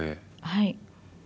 はい。